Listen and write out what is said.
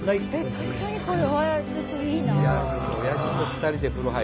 確かにこれはちょっといいな。